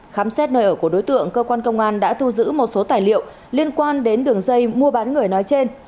khám xét nơi ở của đối tượng cơ quan công an đã thu giữ một số tài liệu liên quan đến đường dây mua bán người nói trên